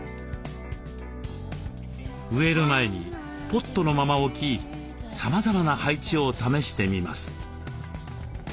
植える前にポットのまま置きさまざまな配置を試してみます。